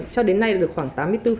cho đến nay được khoảng tám mươi bốn